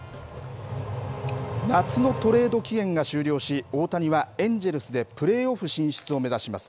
夏のトレード期限が終了し、大谷はエンジェルスでプレーオフ進出を目指します。